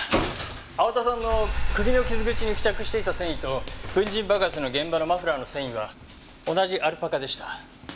青田さんの首の傷口に付着していた繊維と粉塵爆発の現場のマフラーの繊維は同じアルパカでした。